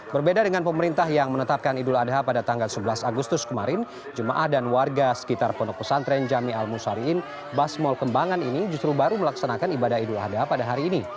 berbeda dengan pemerintah yang menetapkan idul adha pada tanggal sebelas agustus kemarin jemaah dan warga sekitar pondok pesantren jami al musariin ⁇ basmol kembangan ini justru baru melaksanakan ibadah idul adha pada hari ini